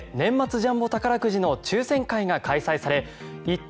ジャンボ宝くじの抽選会が開催され１等